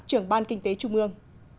trưởng ban kinh tế trung ương